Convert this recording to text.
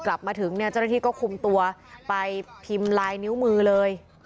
กลับมาถึงเนี่ยเจ้าหน้าที่ก็คุมตัวไปพิมพ์ลายนิ้วมือเลย